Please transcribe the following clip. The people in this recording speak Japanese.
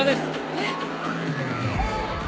えっ？